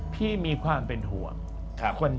มีความเป็นห่วง